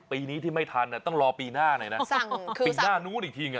ปีนี้ที่ไม่ทันเนี่ยต้องรอปีหน้าไหนนะสั่งคือปีหน้านู้นอีกทีไง